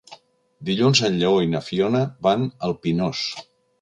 Dilluns en Lleó i na Fiona van al Pinós.